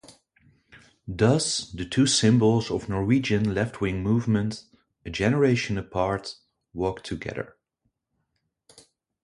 Thus, the two symbols of Norwegian left-wing movement, a generation apart, walked together.